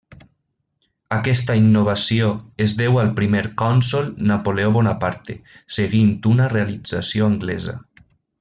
Aquesta innovació es deu al primer cònsol Napoleó Bonaparte, seguint una realització anglesa.